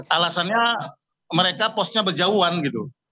alasannya mereka posnya berjauhan gitu